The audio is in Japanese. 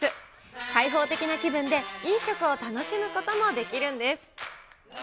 開放的な気分で、飲食を楽しむこともできるんです。